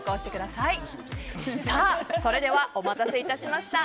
さあ、それではお待たせいたしました。